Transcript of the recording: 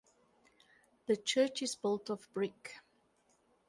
The church is built of brick.